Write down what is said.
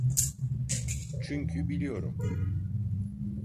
Çünkü biliyorum.